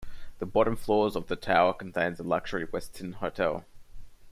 The bottom floors of the tower contain a luxury Westin hotel.